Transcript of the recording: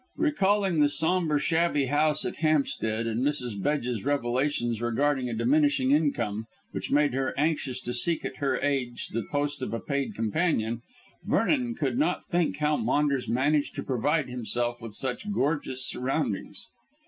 Recalling the sombre, shabby house at Hampstead, and Mrs. Bedge's revelations regarding a diminishing income which made her anxious to seek at her age the post of a paid companion, Vernon could not think how Maunders managed to provide himself with such gorgeous surroundings.